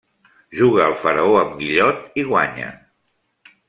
Juga al faraó amb Guillot, i guanya.